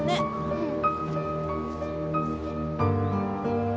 うん。